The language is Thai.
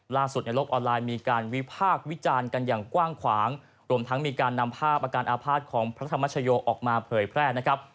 ในโลกออนไลน์มีการวิพากษ์วิจารณ์กันอย่างกว้างขวางรวมทั้งมีการนำภาพอาการอาภาษณ์ของพระธรรมชโยออกมาเผยแพร่นะครับ